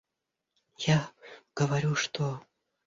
Я говорю, что...